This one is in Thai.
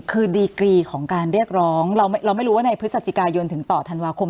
คือดีกรีของการเรียกร้องเราไม่รู้ว่าในพฤศจิกายนถึงต่อธันวาคม